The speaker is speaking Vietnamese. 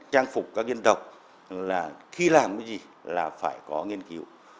trang phục các dân tộc là khi làm cái gì là phải có nghiên cứu